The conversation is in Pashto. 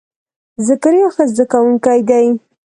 ذکریا ښه زده کونکی دی.